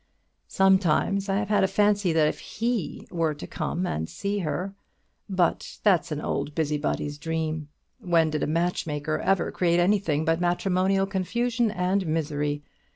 Sometimes I have had a fancy that if he were to come home and see her but that's an old busybody's dream. When did a matchmaker ever create anything but matrimonial confusion and misery?